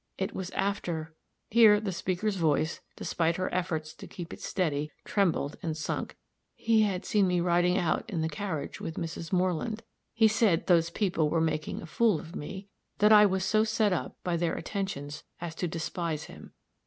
It was after" here the speaker's voice, despite of her efforts to keep it steady, trembled and sunk "he had seen me riding out in the carriage with Mrs. Moreland. He said those people were making a fool of me that I was so set up, by their attentions, as to despise him.